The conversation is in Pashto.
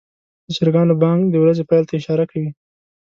د چرګانو بانګ د ورځې پیل ته اشاره کوي.